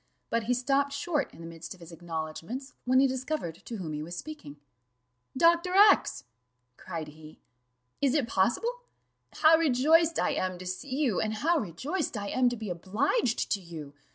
But he stopped short in the midst of his acknowledgments, when he discovered to whom he was speaking. "Dr. X !" cried he. "Is it possible? How rejoiced I am to see you, and how rejoiced I am to be obliged to you!